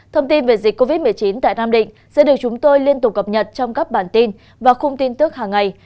thông tin về dịch covid một mươi chín tại nam định sẽ được chúng tôi liên tục cập nhật trong các bản tin và khung tin tức hàng ngày